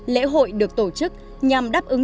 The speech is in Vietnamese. lễ hội được tổ chức nhằm đáp ứng